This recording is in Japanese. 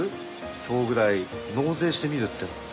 今日ぐらい納税してみるっていうのは。